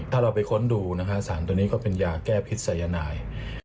ถ้าเราไปค้นดูสารตัวนี้ก็เป็นยาแก้พิษสายนาย